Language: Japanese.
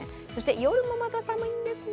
夜もまた寒いんですね。